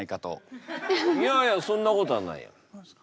いやいやそんなことはないよ。